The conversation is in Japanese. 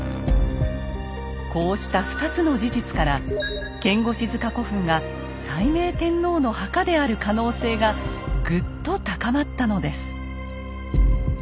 こうした２つの事実から牽牛子塚古墳が斉明天皇の墓である可能性がぐっと高まったのです。